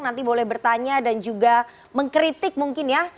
nanti boleh bertanya dan juga mengkritik mungkin ya